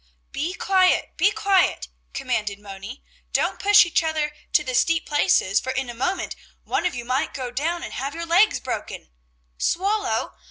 "Be quiet! Be quiet!" commanded Moni, "don't push each other to the steep places, for in a moment one of you might go down and have your legs broken. Swallow!